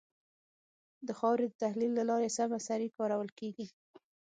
د خاورې د تحلیل له لارې سمه سري کارول کېږي.